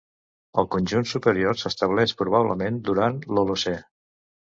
El conjunt superior s'estableix probablement durant l'Holocè.